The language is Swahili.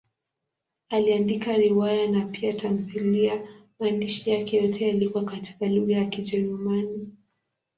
Aliandika riwaya na pia tamthiliya; maandishi yake yote yalikuwa katika lugha ya Kijerumani.